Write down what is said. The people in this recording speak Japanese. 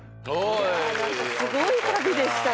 いや何かすごい旅でしたね